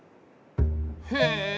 へえ！